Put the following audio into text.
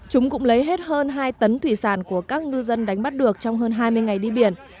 chúng cũng lấy hết hơn hai tấn thủy sản của các ngư dân đánh bắt được trong hơn hai mươi ngày đi biển